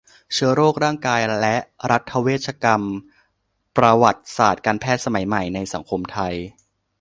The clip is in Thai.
เชื้อโรค ร่างกาย และรัฐเวชกรรม ประวัติศาสตร์การแพทย์สมัยใหม่ในสังคมไทย